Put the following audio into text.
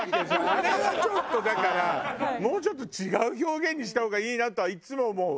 あれはちょっとだからもうちょっと違う表現にした方がいいなとはいつも思うわ。